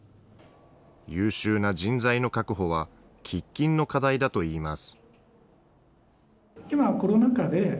優秀な人材の確保は喫緊の課題だといいます。